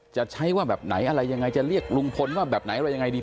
จะใช้ว่าแบบไหนอะไรยังไงจะเรียกลุงพลว่าแบบไหนอะไรยังไงดี